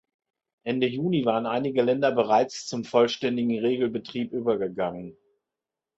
Ende Juni waren einige Länder bereits zum vollständigen Regelbetrieb übergegangen.